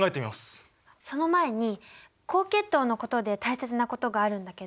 その前に高血糖のことで大切なことがあるんだけど。